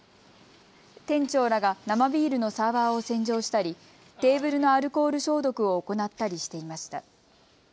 店長らが生ビールのサーバーを洗浄したりテーブルのアルコール消毒を行ったりしていました。